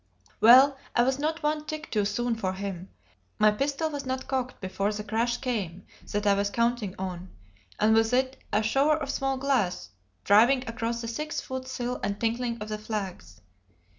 Well, I was not one tick too soon for him. My pistol was not cocked before the crash came that I was counting on, and with it a shower of small glass driving across the six foot sill and tinkling on the flags.